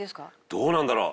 どうなんだろう？